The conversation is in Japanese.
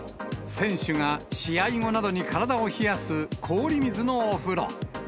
選手が試合後などに体を冷やす氷水のお風呂。